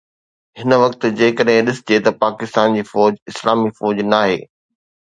هن وقت جيڪڏهن ڏسجي ته پاڪستان جي فوج اسلامي فوج ناهي